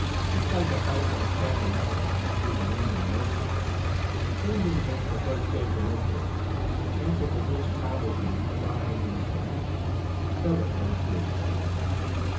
"Looks like the fight for the championship will be between Wyndham and Oakdale. If Wyndham takes the first game from Oakdale, the chances for this town will be mum mighty slim." Herbert rose to his feet.